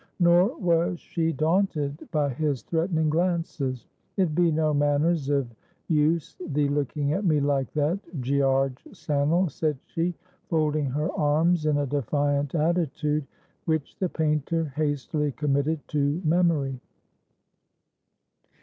Nor was she daunted by his threatening glances. "It be no manners of use thee looking at me like that, Gearge Sannel," said she, folding her arms in a defiant attitude, which the painter hastily committed to memory.